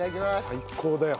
最高だよ。